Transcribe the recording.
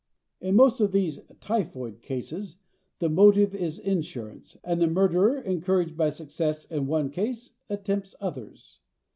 In most of these "typhoid" cases the motive is insurance and the murderer encouraged by success in one case attempts others.